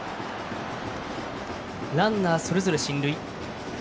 ランナー、それぞれ進塁。